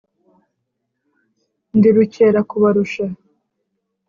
ndi rukerakubarusha